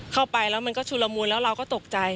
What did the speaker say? เข้าไปแล้วมันก็ชุลมูลแล้วเราก็ตกใจ